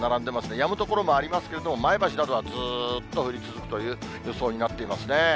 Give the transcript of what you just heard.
やむ所もありますけど、前橋などはずっと降り続くという予想になっていますね。